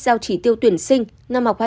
giao chỉ tiêu tuyển sinh